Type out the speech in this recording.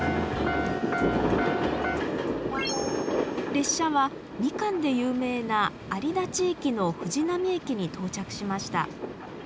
列車はみかんで有名な有田地域の藤並駅に到着しました。